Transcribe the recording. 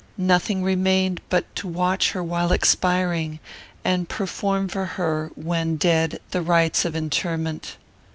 Nothing remained but to watch her while expiring, and perform for her, when dead, the rites of interment.